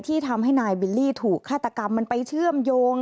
ที่ทำให้นายบิลลี่ถูกฆาตกรรมมันไปเชื่อมโยง